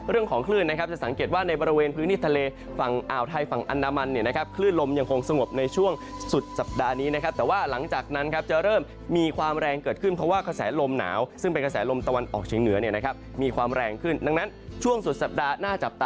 เรื่องของคลื่นนะครับจะสังเกตว่าในบริเวณพื้นที่ทะเลฝั่งอ่าวไทยฝั่งอันดามันเนี่ยนะครับคลื่นลมยังคงสงบในช่วงสุดสัปดาห์นี้นะครับแต่ว่าหลังจากนั้นครับจะเริ่มมีความแรงเกิดขึ้นเพราะว่ากระแสลมหนาวซึ่งเป็นกระแสลมตะวันออกเชียงเหนือเนี่ยนะครับมีความแรงขึ้นดังนั้นช่วงสุดสัปดาห์หน้าจับตา